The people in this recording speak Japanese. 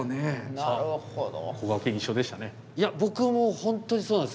なるほど。